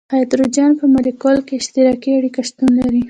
د هایدروجن په مالیکول کې اشتراکي اړیکه شتون لري.